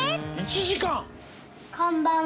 こんばんは。